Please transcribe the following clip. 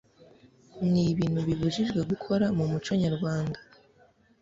Ni ibintu bibujijwe gukora mu muco nyarwanda